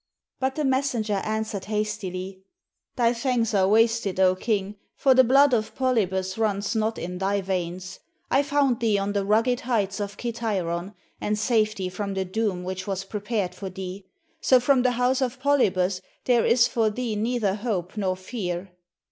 But the messenger answered hastily, "Thy thanks are wasted, 0 king, for the blood of Polybus runs not in thy veins. I found thee on the rugged heights of Kithairon, and saved thee from the doom which was prepared for thee. So from the house of Polybus there is for thee neither hope nor fear."